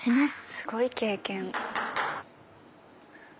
すごい経験。